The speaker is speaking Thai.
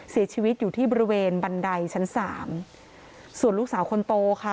เสียชีวิตอยู่ที่บริเวณบันไดชั้นสามส่วนลูกสาวคนโตค่ะ